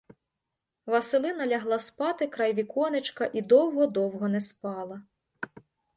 Василина лягла спати край віконечка і довго-довго не спала.